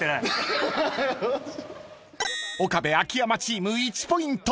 ［岡部・秋山チーム１ポイント］